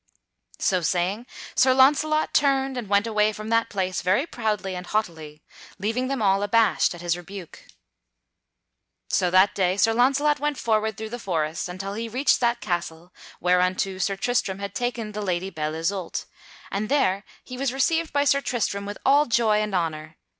So saying, Sir Launcelot turned and went away from that place very proudly and haughtily, leaving them all abashed at his rebuke. [Sidenote: Sir Launcelot findeth Sir Tristram and Belle Isoult in the forest] So that day Sir Launcelot went forward through the forest until he reached that castle whereunto Sir Tristram had taken the Lady Belle Isoult, and there he was received by Sir Tristram with all joy and honor.